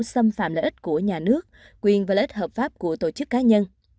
xâm phạm lợi ích của nhà nước quyền và lợi ích hợp pháp của tổ chức cá nhân